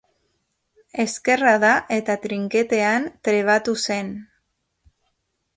Ezkerra da, eta trinketean trebatu zen.